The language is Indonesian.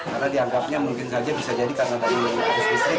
karena dianggapnya mungkin saja bisa jadi karena dari lintas listrik